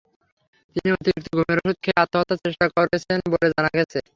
তিনি অতিরিক্ত ঘুমের ওষুধ খেয়ে আত্মহত্যার চেষ্টা করেছেন বলে জানা গেছে।